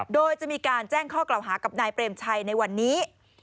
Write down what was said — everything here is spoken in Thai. โดยจะมีการแจ้งข้อกล่าวหากับนายเปรมชัยในวันนี้